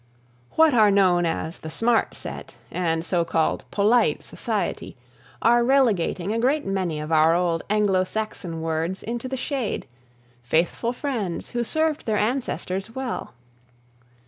What are known as the Smart Set and so called polite society, are relegating a great many of our old Anglo Saxon words into the shade, faithful friends who served their ancestors well.